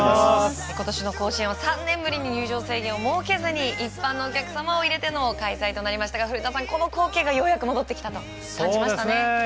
今年の甲子園は３年ぶりに入場制限を設けずに一般のお客様を入れての開催となりましたが古田さん、この光景が戻ってきたと感じましたね。